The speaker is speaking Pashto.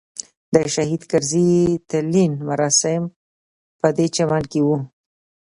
د شهید کرزي تلین مراسم په دې چمن کې وو.